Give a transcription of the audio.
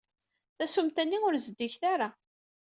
Tasumta-nni ur zeddiget ara.